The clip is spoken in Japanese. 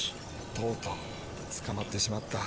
とうとう捕まってしまった。